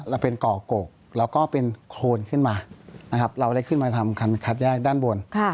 เราเป็นก่อกกแล้วก็เป็นโคนขึ้นมานะครับเราได้ขึ้นมาทำคันคัดแยกด้านบน